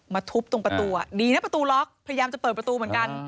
ทุบตรงประตูดีนะประตูล็อกพยายามจะเปิดประตูเหมือนกัน